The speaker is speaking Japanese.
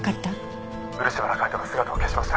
「漆原海斗が姿を消しました」